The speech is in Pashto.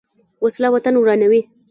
وسله وطن ورانوي